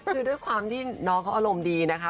คือด้วยความที่น้องเขาอารมณ์ดีนะคะ